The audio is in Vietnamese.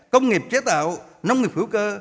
công nghiệp chế tạo nông nghiệp hữu cơ